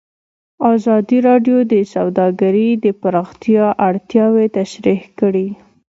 ازادي راډیو د سوداګري د پراختیا اړتیاوې تشریح کړي.